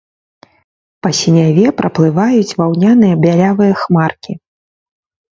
Па сіняве праплываюць ваўняныя бялявыя хмаркі.